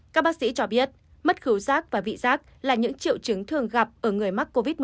các bác sĩ cho biết mất khiếu rác và vị rác là những triệu chứng thường gặp ở người mắc covid một mươi chín